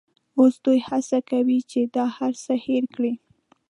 اوس دوی هڅه کوي چې دا هرڅه هېر کړي.